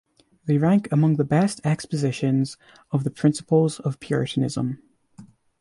They rank among the best expositions of the principles of Puritanism.